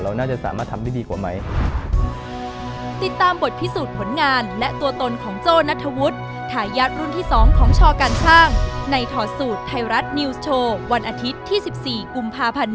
น่าจะสามารถทำได้ดีกว่าไหม